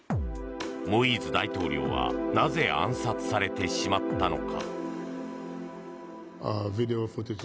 モイーズ大統領はなぜ、暗殺されてしまったのか。